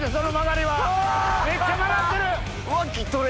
めっちゃ曲がってる！